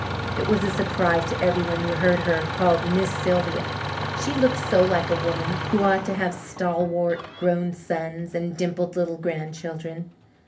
It was a surprise to everyone who heard her called Miss Sylvia. She looked so like a woman who ought to have stalwart, grown sons and dimpled little grandchildren.